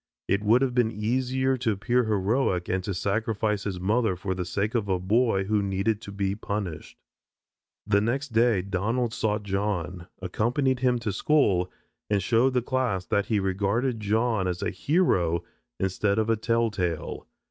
It would have been easier to appear heroic and to sacrifice his mother for the sake of a boy who needed to be punished." The next day Donald sought John, accompanied him to school, and showed the class that he regarded John as a hero instead of a tell tale.